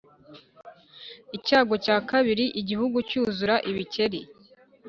Icyago cya kabiri igihugu cyuzura ibikeri